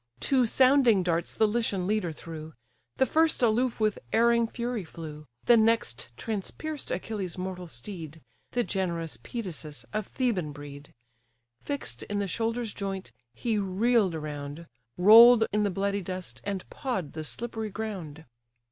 Two sounding darts the Lycian leader threw: The first aloof with erring fury flew, The next transpierced Achilles' mortal steed, The generous Pedasus of Theban breed: Fix'd in the shoulder's joint, he reel'd around, Roll'd in the bloody dust, and paw'd the slippery ground.